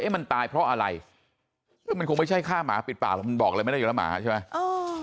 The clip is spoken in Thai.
มันตายเพราะอะไรซึ่งมันคงไม่ใช่ฆ่าหมาปิดปากหรอกมันบอกอะไรไม่ได้อยู่แล้วหมาใช่ไหม